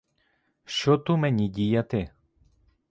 Що ту мені діяти?